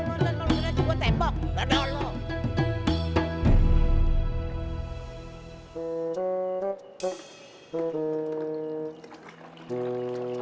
lu mau ngeras juga tembok